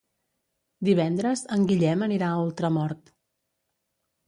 Divendres en Guillem anirà a Ultramort.